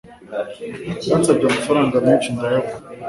Yansabye amafaranga menshi ndayabura.